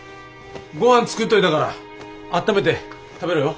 ごはん作っといたからあっためて食べろよ。